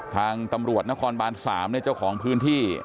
ทางตำรวจนครบานสามเนี่ยเจ้าของพื้นที่